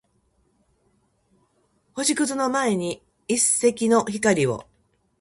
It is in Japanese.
星屑の前に一閃の光を